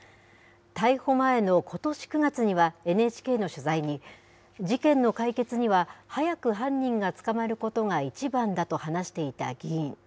逮捕前のことし９月には、ＮＨＫの取材に、事件の解決には早く犯人が捕まることが一番だと話していた議員。